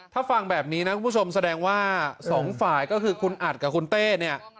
ถ้าฟังแบบนี้นะคุณผู้ชมแสดงว่าสองฝ่ายก็คือคุณอัดกับคุณเต้เนี่ย